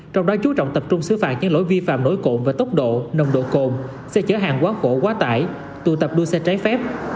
trong đó chú trọng tập trung xứ phạt những lỗi vi phạm nối cộn và tốc độ nồng độ cộn xe chở hàng quá khổ quá tải tù tập đua xe trái phép